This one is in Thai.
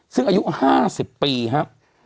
ซึ่งอายุ๕๐ปีฮะ